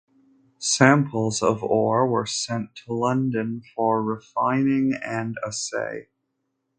Samples of ore were sent to London for refining and assay.